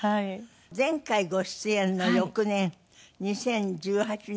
前回ご出演の翌年２０１８年ですか。